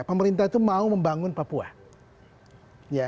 pemerintah itu mau membangun papua